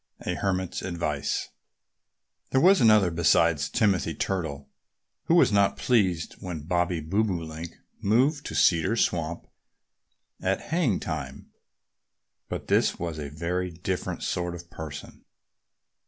XX A HERMIT'S ADVICE THERE was another, besides Timothy Turtle, who was not pleased when Bobby Bobolink moved to Cedar Swamp at haying time. But this was a very different sort of person.